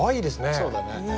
そうだね。